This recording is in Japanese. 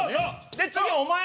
で次お前が。